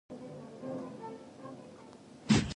Higher proportions use parts-per notation.